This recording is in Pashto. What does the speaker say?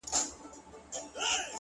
ستادی .ستادی.ستادی فريادي گلي.